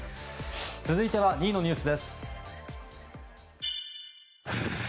続いては２位のニュース。